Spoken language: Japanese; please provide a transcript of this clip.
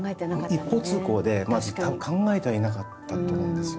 一方通行でまず考えてはいなかったと思うんですよ。